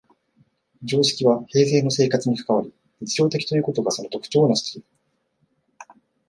常識は平生の生活に関わり、日常的ということがその特徴をなしている。